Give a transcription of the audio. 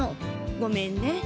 ごめんね。